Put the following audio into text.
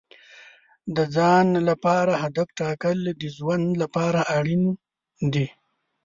د ځان لپاره هدف ټاکل د ژوند لپاره اړین دي.